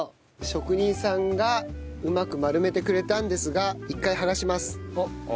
職人さんがうまく丸めてくれたんですが一回剥がします。